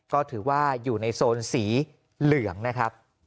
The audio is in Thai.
ก็ถือว่าอยู่ในโซนสีเหลืองนะครับ